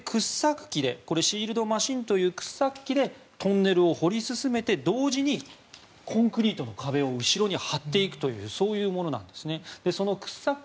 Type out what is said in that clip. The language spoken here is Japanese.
シールドマシンという掘削機でトンネルを掘り進めて同時にコンクリートの壁を後ろに張っていくとそういうものなんです。